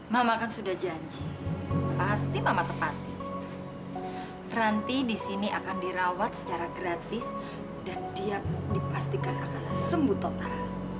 mama kan sudah janji pasti mama tepatnya ranti di sini akan dirawat secara gratis dan dia dipastikan akan sembuh total